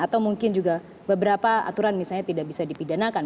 atau mungkin juga beberapa aturan misalnya tidak bisa dipidanakan